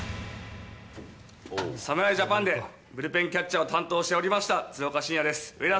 侍ジャパンでブルペンキャッチャーを担当しておりました鶴岡慎也です。